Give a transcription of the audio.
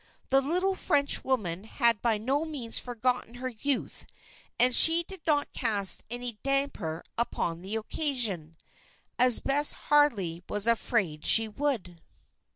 The little Frenchwoman had by no means forgotten her youth and she did not cast any "damper" upon the occasion, as Bess Harley was afraid she would.